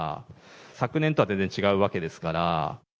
昨年とは全然違うわけですから。